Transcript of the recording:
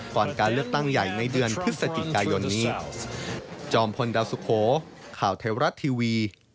ก่อนการเลือกตั้งใหญ่ในเดือนพฤศจิกายนนี้